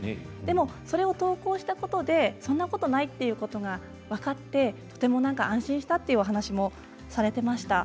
それを投稿したことでそんなことはないということが分かってとても安心したというお話もされていました。